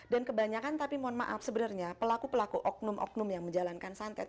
dan kebanyakan tapi mohon maaf sebenarnya pelaku pelaku oknum oknum yang menjalankan santet